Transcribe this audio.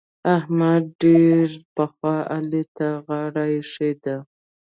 احمد ډېر پخوا علي ته غاړه اېښې ده.